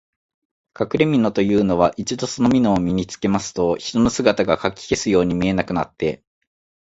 かくれみのというのは、一度そのみのを身につけますと、人の姿がかき消すように見えなくなって、